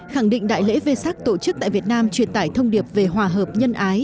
khẳng định đại lễ vê sắc tổ chức tại việt nam truyền tải thông điệp về hòa hợp nhân ái